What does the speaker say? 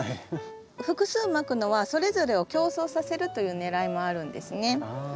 複数まくのはそれぞれを競争させるというねらいもあるんですね。